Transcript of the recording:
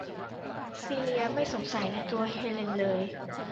ซีเลียไม่สงสัยในตัวเฮเลนเลย